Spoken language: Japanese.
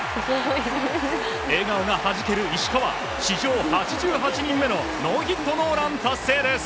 笑顔がはじける石川史上８８人目のノーヒットノーラン達成です。